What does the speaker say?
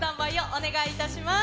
お願いします。